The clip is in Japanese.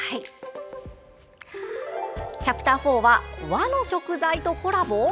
チャプター４は和の食材とコラボ。